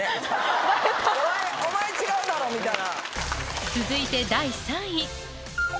お前違うだろみたいな。